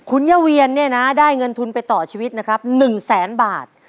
คุณย่าเวียนเนี่ยนะได้เงินทุนไปต่อชีวิตนะครับ๑แสนบาท